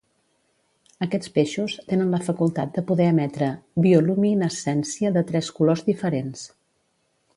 Aquests peixos tenen la facultat de poder emetre bioluminescència de tres colors diferents.